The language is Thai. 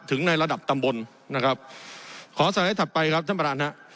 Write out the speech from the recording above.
ในระดับตำบลนะครับขอสไลด์ถัดไปครับท่านประธานฮะ